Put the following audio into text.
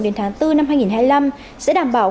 đến tháng bốn năm hai nghìn hai mươi năm sẽ đảm bảo